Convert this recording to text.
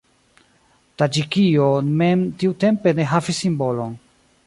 Taĝikio mem tiutempe ne havis simbolon.